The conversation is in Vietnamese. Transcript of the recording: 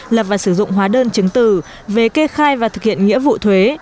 lập và sử dụng hóa đơn chứng tử về kê khai và thực hiện nghĩa vụ thuế